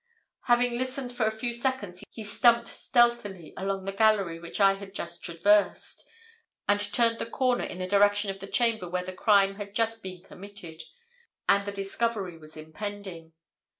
Having listened for a few seconds, he stumped stealthily along the gallery which I had just traversed, and turned the corner in the direction of the chamber where the crime had just been committed, and the discovery was impending.